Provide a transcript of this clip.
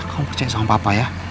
kamu percaya sama papa ya